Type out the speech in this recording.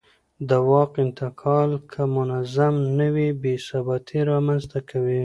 د واک انتقال که منظم نه وي بې ثباتي رامنځته کوي